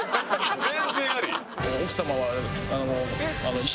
全然あり？